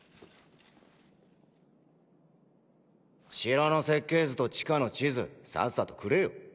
城の設計図と地下の地図さっさとくれよ。